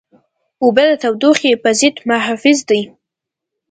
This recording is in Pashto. اوبه د تودوخې پر ضد محافظ دي.